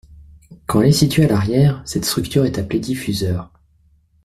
Quand elle est située à l'arrière, cette structure est appelée diffuseur.